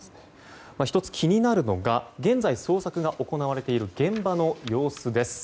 １つ気になるのが現在、捜索が行われている現場の様子です。